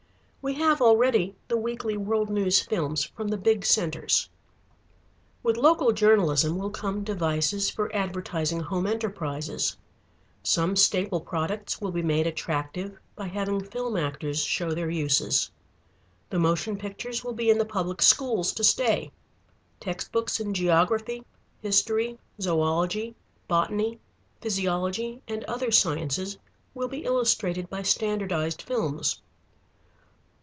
We have already the weekly world news films from the big centres. With local journalism will come devices for advertising home enterprises. Some staple products will be made attractive by having film actors show their uses. The motion pictures will be in the public schools to stay. Text books in geography, history, zoõlogy, botany, physiology, and other sciences will be illustrated by standardized films.